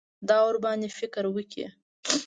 دا ورباندې فکر وکړي.